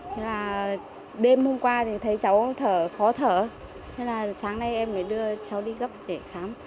thế là đêm hôm qua thì thấy cháu thở khó thở nên là sáng nay em mới đưa cháu đi gấp để khám